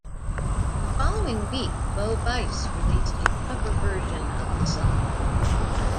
The following week, Bo Bice released a cover version of the song.